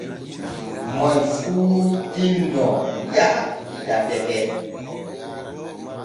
Moy fuu tinno yaha fiɗa tete.